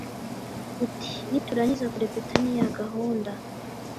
uti:”niturangiza kurepeta ni ya gahunda”